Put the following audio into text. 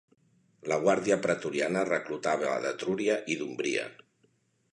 La Guàrdia Pretoriana reclutava d'Etrúria i d'Umbria.